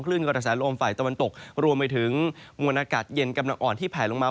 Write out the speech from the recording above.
กระแสลมฝ่ายตะวันตกรวมไปถึงมวลอากาศเย็นกำลังอ่อนที่แผลลงมา